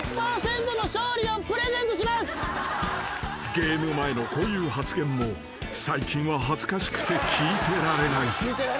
［ゲーム前のこういう発言も最近は恥ずかしくて聞いてられない］